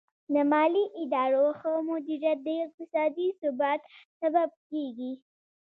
د مالي ادارو ښه مدیریت د اقتصادي ثبات سبب کیږي.